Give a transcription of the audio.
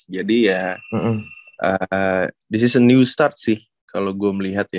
jadi ya this is a new start sih kalau gue melihat ya